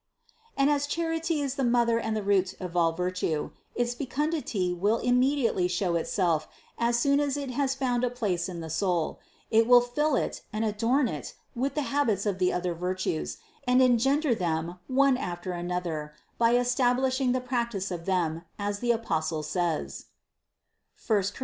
And as charity is the mother and the 408 CITY OF GOD root of all virtue, its fecundity will immediately show it self as soon as it has found a place in the soul ; it will fill it and adorn it with the habits of the other virtues, and engender them one after another by establishing the prac tice of them, as the Apostle says (I Cor.